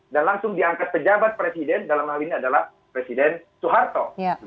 dan langsung diangkat pejabat presiden dalam hal ini adalah presiden soeharto